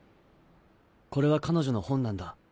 これは彼女の本なんだ。